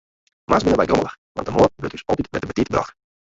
Moarns binne wy grommelich, want de moarn wurdt ús altyd wer te betiid brocht.